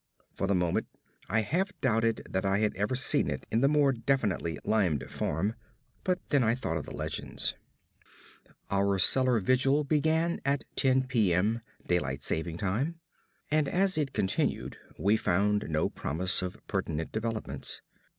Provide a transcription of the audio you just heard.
For a moment I half doubted that I had ever seen it in the more definitely limned form but then I thought of the legends. Our cellar vigil began at ten p. m., daylight saving time, and as it continued we found no promise of pertinent developments.